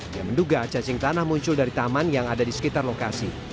dia menduga cacing tanah muncul dari taman yang ada di sekitar lokasi